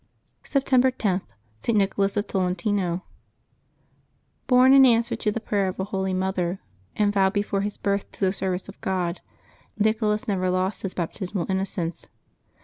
September lo.— ST. NICHOLAS OF TOLEN TINO. ^P^ORN" in answer to the prayer of a holy mother, and ^bJ vowed before his birth to the service of God, Nicho las never lost his baptismal innocence.